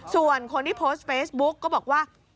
ส่วนคนที่โพสต์เฟซบุ๊กก็บอกว่า